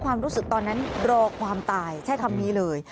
ความรู้สึกตอนนั้นรอความตายใช้คำนี้เลย